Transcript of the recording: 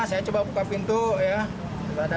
saya coba buka pintu ya